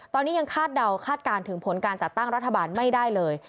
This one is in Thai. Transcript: ตอนนี้ยังคาดเดาคาดการณ์ถึงผลการจัดตั้งรัฐบาลไม่ได้เลย